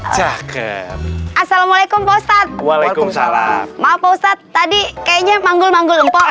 cakep assalamualaikum postat waalaikumsalam maaf ustadz tadi kayaknya manggul manggul lempok